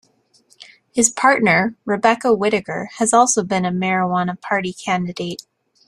His partner, Rebecca Whittaker, has also been a Marijuana Party candidate.